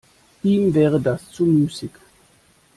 Ihm wäre das zu müßig.